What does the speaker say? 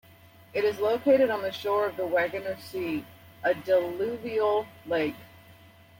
It is located on the shore of the Waginger See, a diluvial lake.